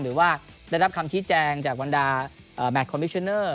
หรือว่าได้รับคำชี้แจงจากบรรดาแมทคอมมิชูเนอร์